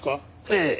ええ。